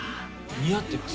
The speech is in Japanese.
似合ってます。